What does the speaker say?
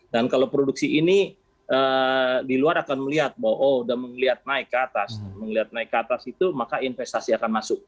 dan kalau produksi ini di luar akan melihat bahwa oh udah melihat naik ke atas melihat naik ke atas itu maka investasi akan masuk